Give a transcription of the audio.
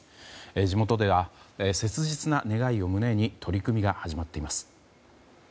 地元では、切実な願いを胸に取り組みが始まっています。